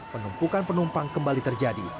penumpukan penumpang kembali terjadi